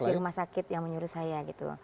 iya direksi rumah sakit yang menyuruh saya gitu